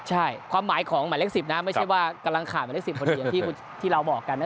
ใช่ความหมายของหมายเลข๑๐นะไม่ใช่ว่ากำลังขาดหมายเลข๑๐คนเดียวที่เราบอกกันนะ